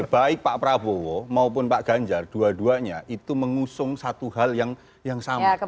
baik pak prabowo maupun pak ganjar dua duanya itu mengusung satu hal yang sama